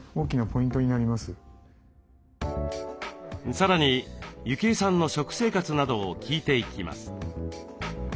さらに幸枝さんの食生活などを聞いていきます。